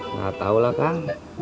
nggak taulah kang